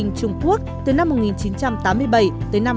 những trường hợp và các học sinh ở việt nam